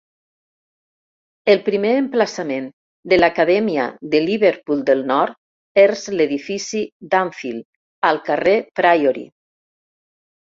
El primer emplaçament de l'Acadèmia de Liverpool del Nord ers l'edifici d'Anfield al carrer Priory.